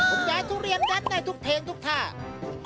คุณยายทุเรียนดันได้ทุกเพลงทุกท่า